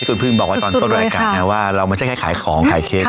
คุณพึ่งบอกไว้ตอนต้นรายการไงว่าเราไม่ใช่แค่ขายของขายเค้ก